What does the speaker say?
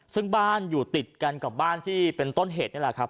ซึ่งบ้านอยู่ติดกันกับบ้านที่เป็นต้นเหตุนี่แหละครับ